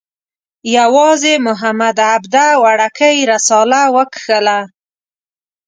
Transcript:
یوازې محمد عبده وړکۍ رساله وکښله.